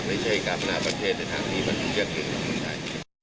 มันเป็นเรื่องเก่งของคนไทย